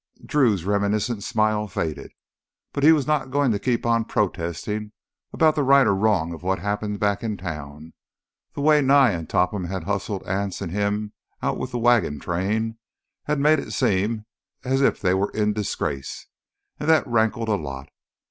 Drew's reminiscent smile faded. But he was not going to keep on protesting about the right or wrong of what happened back in town. The way Nye and Topham had hustled Anse and him out with the wagon train had made it seem as if they were in disgrace, and that rankled a lot.